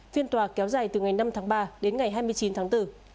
phiên tòa kéo dài từ ngày năm tháng ba đến ngày hai mươi chín tháng bốn